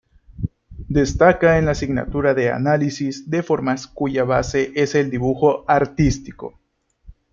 Destaca en la asignatura de análisis de formas cuya base es el dibujo artístico.